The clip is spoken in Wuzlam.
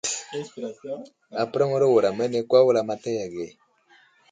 Apəraŋwaro wuram ane kwa wulamataya age.